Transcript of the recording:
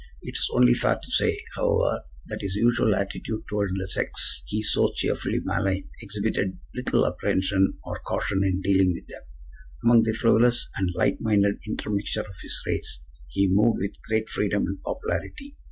It is only fair to say, however, that his usual attitude toward the sex he so cheerfully maligned exhibited little apprehension or caution in dealing with them. Among the frivolous and light minded intermixture of his race he moved with great freedom and popularity.